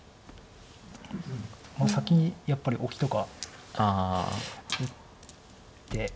先にやっぱりオキとか打って。